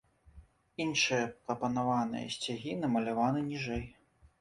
Іншыя прапанаваныя сцягі намаляваны ніжэй.